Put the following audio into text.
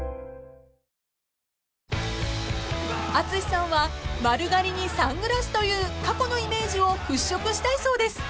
［ＡＴＳＵＳＨＩさんは丸刈りにサングラスという過去のイメージを払拭したいそうです］